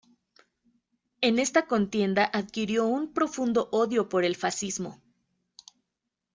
En esta contienda adquirió un profundo odio por el fascismo.